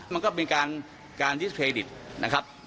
มันก็เป็นการดิสเครดิตนะครับ